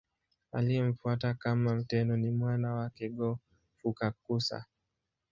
Aliyemfuata kama Tenno ni mwana wake Go-Fukakusa.